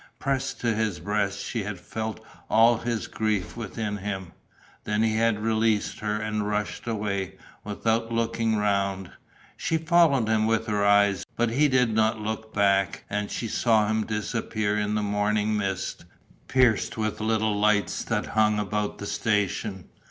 Pressed to his breast, she had felt all his grief within him. Then he had released her and rushed away, without looking round. She followed him with her eyes, but he did not look back and she saw him disappear in the morning mist, pierced with little lights, that hung about the station.